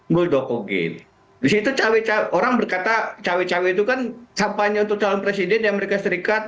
muldoko gate disitu cawe cawe orang berkata cawe cawe itu kan kampanye untuk calon presiden di amerika serikat